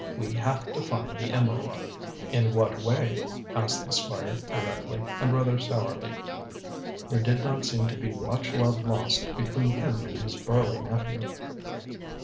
We have to find the emerald." "In what way?" asked the Squire directly, and rather sourly. There did not seem to be much love lost between him and his burly nephew.